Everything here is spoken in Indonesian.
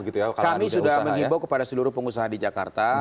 kami sudah mengimbau kepada seluruh pengusaha di jakarta